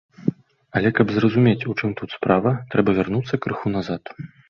Але, каб зразумець, у чым тут справа, трэба вярнуцца крыху назад.